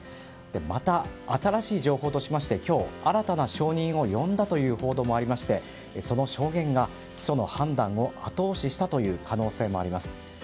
また、新しい情報としまして今日、新たな証人を呼んだという報道もありましてその証言が起訴の判断を後押ししたという可能性もあります。